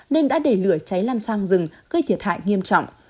nên đã để lửa cháy lan sang rừng gây thiệt hại nghiêm trọng